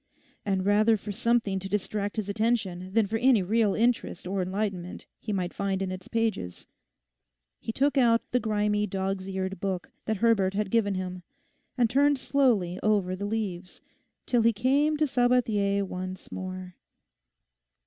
And rather for something to distract his attention than for any real interest or enlightenment he might find in its pages, he took out the grimy dog's eared book that Herbert had given him, and turned slowly over the leaves till he came to Sabathier once more.